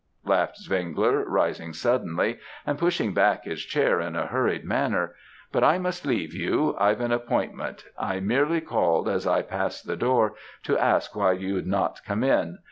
laughed Zwengler, rising suddenly, and pushing back his chair in a hurried manner, 'but I must leave you I've an appointment; I merely called as I passed the door, to ask why you'd not come in.